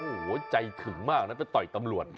โอ้โหใจถึงมากนะไปต่อยตำรวจ